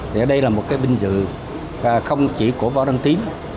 thì ở đây là một cái vinh dự không chỉ của võ đăng tín